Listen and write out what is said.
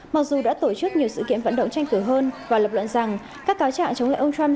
mặc dù đã tổ chức nhiều sự kiện vận động tranh cử hơn và lập luận rằng các cáo trạng chống lại ông trump